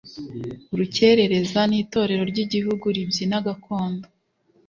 Urukereza nitorero ryigihugu ribyina gakondo